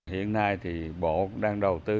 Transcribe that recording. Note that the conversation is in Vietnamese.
hiện nay thì bộ đang đầu tư